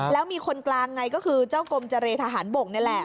แล้วมีคนกลางไงก็คือเจ้ากรมเจรทหารบกนี่แหละ